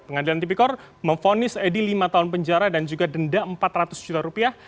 pengadilan tipikor memfonis edi lima tahun penjara dan juga denda empat ratus juta rupiah